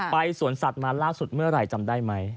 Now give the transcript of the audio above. สวนสัตว์มาล่าสุดเมื่อไหร่จำได้ไหม